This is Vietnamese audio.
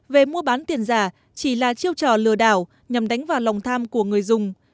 về mua bán tiền giả chỉ là chiêu trò lừa đảo nhằm đánh vào lòng tham của người dùng